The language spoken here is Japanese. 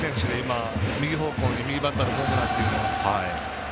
右方向に右バッターのホームランっていうのは。